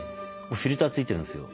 フィルター付いてるんですよ。